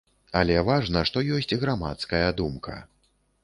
Але важна, што ёсць грамадская думка.